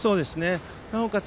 なおかつ